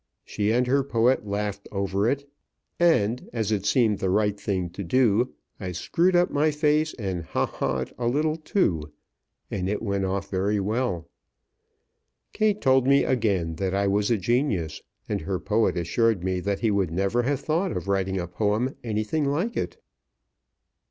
She and her poet laughed over it; and, as it seemed the right thing to do, I screwed up my face and ha ha'd a little, too, and it went off very well. Kate told me again that I was a genius, and her poet assured me that he would never have thought of writing a poem anything like it.